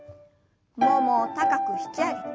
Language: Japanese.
ももを高く引き上げて。